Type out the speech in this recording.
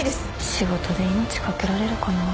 「仕事で命懸けられるかな」